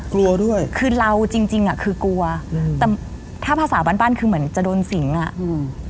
กลัวด้วยคือเราจริงจริงอ่ะคือกลัวอืมแต่ถ้าภาษาบ้านบ้านคือเหมือนจะโดนสิงอ่ะอืม